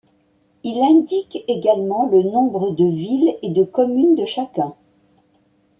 Il indique également le nombre de villes et de communes de chacun.